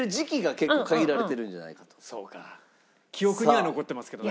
そうか記憶には残ってますけどね。